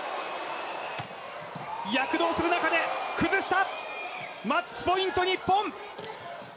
躍動する中で崩したマッチポイント、日本。